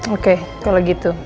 oke kalau gitu